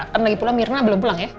kan lagi pula mirna belum pulang ya